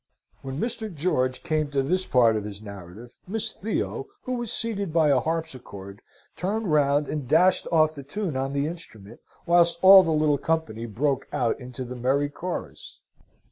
When Mr. George came to this part of his narrative, Miss Theo, who was seated by a harpsichord, turned round and dashed off the tune on the instrument, whilst all the little company broke out into the merry chorus.